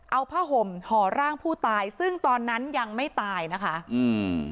เอาผ้าห่มห่อร่างผู้ตายซึ่งตอนนั้นยังไม่ตายนะคะอืม